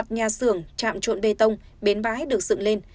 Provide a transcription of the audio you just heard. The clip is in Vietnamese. trạm trộn bê tông bến bái được dựng lên